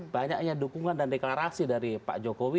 banyaknya dukungan dan deklarasi dari pak jokowi